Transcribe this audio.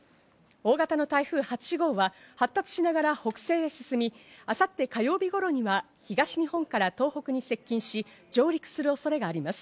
大型の台風８号は発達しながら北西へ進み、明後日、火曜日頃には東日本から東北に進み、上陸する恐れがあります。